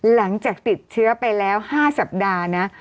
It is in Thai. หลังจากติดเชื้อไปแล้ว๕สัปดาห์นะ